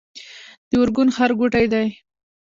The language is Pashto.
د ارګون ښارګوټی دی